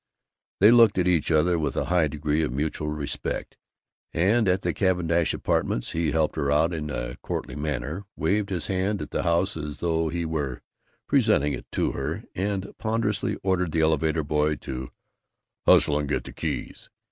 They looked at each other with a high degree of mutual respect, and at the Cavendish Apartments he helped her out in a courtly manner, waved his hand at the house as though he were presenting it to her, and ponderously ordered the elevator boy to "hustle and get the keys."